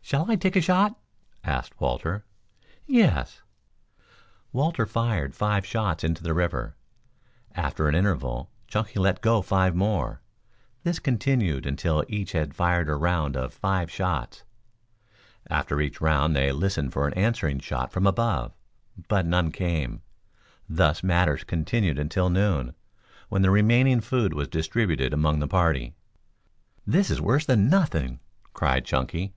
"Shall I take a shot?" asked Walter. "Yes." Walter fired five shots into the river. After an interval Chunky let go five more. This continued until each had fired a round of five shots. After each round they listened for an answering shot from above, but none came. Thus matters continued until noon, when the remaining food was distributed among the party. "This is worse than nothing," cried Chunky.